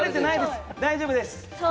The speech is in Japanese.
大丈夫です。